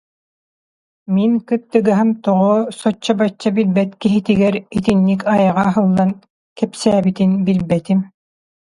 Мин кыттыгаһым тоҕо соччо-бачча билбэт киһитигэр итинник айаҕа аһыллан кэпсээбитин билбэтим